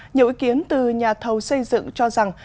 nhiều ý kiến từ nhà thầu xây dựng cho rằng